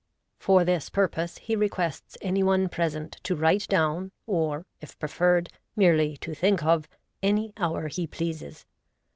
For this purpose he requests any one present to write down, or, if preferred, merely to think of, any hour he pleases.